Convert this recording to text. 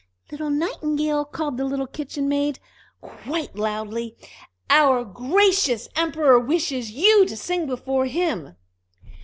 "Little Nightingale!" called the little Kitchen maid, quite loudly, "our gracious Emperor wishes you to sing before him."